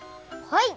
はい！